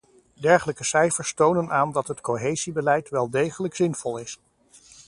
Dergelijke cijfers tonen aan dat het cohesiebeleid wel degelijk zinvol is.